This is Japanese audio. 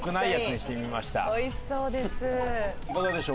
美味しそうです。